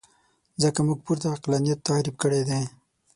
ځکه موږ پورته عقلانیت تعریف کړی دی.